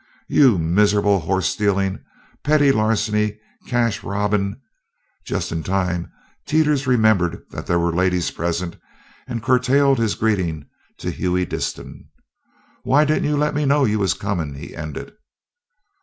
"You miser'ble horse stealin', petty larceny, cache robbin' " just in time Teeters remembered that there were ladies present and curtailed his greeting to Hughie Disston. "Why didn't you let me know you was comin'?" he ended.